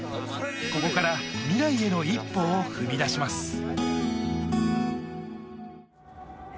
ここから未来への一歩を踏み出します。